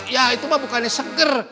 ya itu mah bukannya seger